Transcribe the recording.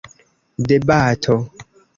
debato